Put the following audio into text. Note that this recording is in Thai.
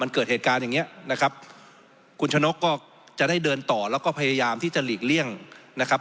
คุณชนกก็จะได้เดินต่อแล้วก็พยายามที่จะหลีกเลี่ยงนะครับ